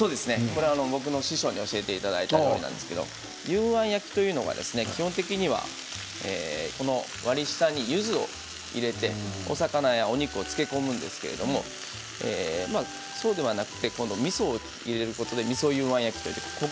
これは僕の師匠に教えていただいたんですけど幽庵焼きというのは基本的にはこの割り下にゆずを入れて、お魚やお肉を漬け込むんですけどそうではなくてこのみそを入れることでみそ幽庵焼きということえ